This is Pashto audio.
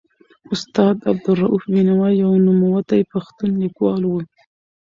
استاد عبدالروف بینوا یو نوموتی پښتون لیکوال و.